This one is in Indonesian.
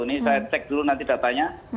ini saya cek dulu nanti datanya